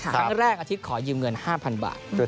ครั้งแรกอาทิตย์ขอยืมเงิน๕๐๐๐บาท